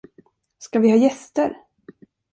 Ska vi ha gäster?